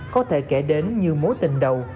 có thể kể đến như mối tình đầu